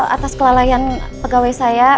atas kelalaian pegawai saya